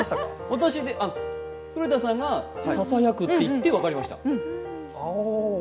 古田さんがささやくって言って分かりました。